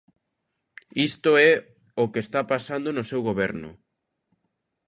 Isto é o que está pasando no seu Goberno.